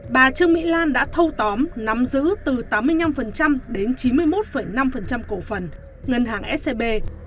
bà trương mỹ lan đã thâu tóm nắm giữ từ tám mươi năm đến chín mươi một năm cổ phần ngân hàng scb